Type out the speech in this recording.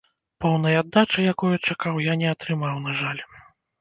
Поўнай аддачы, якую чакаў, я не атрымаў, на жаль.